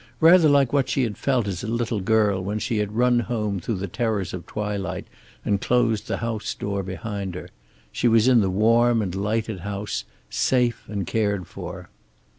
Rather like what she had felt as a little girl when she had run home through the terrors of twilight, and closed the house door behind her. She was in the warm and lighted house, safe and cared for.